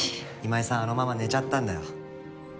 今井さんあのまま寝ちゃったんだよ。